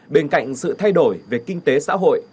bên cạnh sự thay đổi về kinh tế xã hội